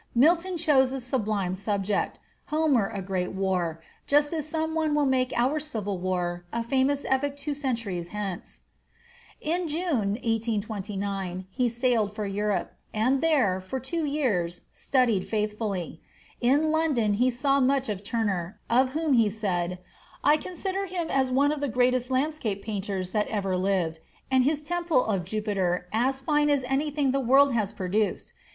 Milton chose a sublime subject, Homer a great war, just as some one will make our civil war a famous epic two centuries hence. In June, 1829, he sailed for Europe, and there, for two years, studied faithfully. In London, he saw much of Turner, of whom he said, "I consider him as one of the greatest landscape painters that ever lived, and his 'Temple of Jupiter' as fine as anything the world has produced.